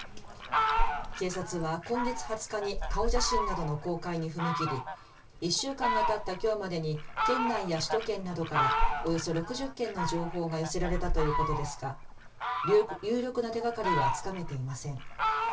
警察は今月２０日に顔写真などの公開に踏み切り１週間がたったきょうまでに県内や首都圏などからおよそ６０件の情報が寄せられたということですが有力な手がかりはつかめていません。